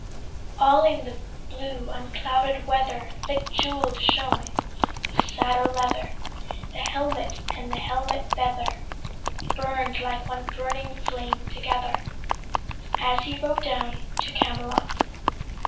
All in the blue unclouded weather Thick jewell'd shone the saddle leather, The helmet and the helmet feather Burn'd like one burning flame together, As he rode down to Camelot.